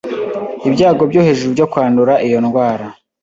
ibyago byo hejuru byo kwandura iyo ndwara.